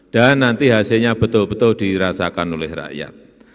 dan nanti hasilnya betul betul dirasakan oleh rakyat